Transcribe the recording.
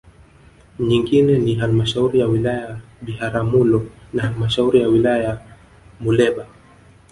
Nyingine ni Halmashauri ya wilaya ya Biharamulo na halmashauri ya Wilaya ya Muleba